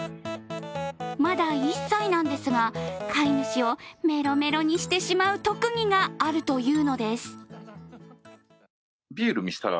まだ１歳なんですが、飼い主をメロメロにしてしまう特技があるというのです。